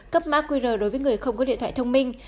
cấp mã qr đối với người không có điện thoại thông minh